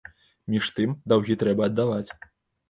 Між тым, даўгі трэба аддаваць.